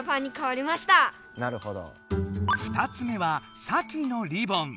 ２つ目はサキのリボン。